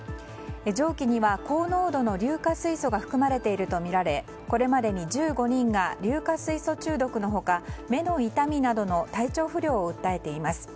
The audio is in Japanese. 蒸気には高濃度の硫化水素が含まれているとみられこれまでに１５人が硫化水素中毒の他目の痛みなどの体調不良を訴えています。